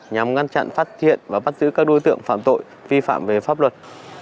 nhằm ngăn chặn phát hiện và bắt giữ các đối tượng phạm tội vi phạm về pháp luật